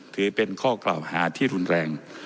ถือเป็นข้อกล่าวหาที่รุนแรง